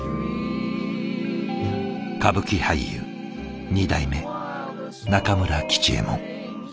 歌舞伎俳優二代目中村吉右衛門。